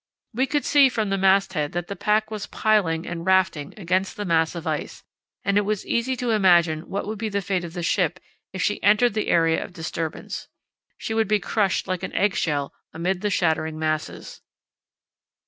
We could see from the mast head that the pack was piling and rafting against the mass of ice, and it was easy to imagine what would be the fate of the ship if she entered the area of disturbance. She would be crushed like an egg shell amid the shattering masses.